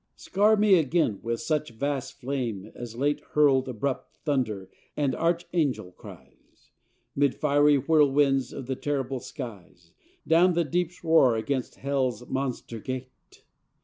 Scar me again with such vast flame as late Hurled abrupt thunder and archangel cries, 'Mid fiery whirlwinds of the terrible skies, Down the deep's roar against Hell's monster gate!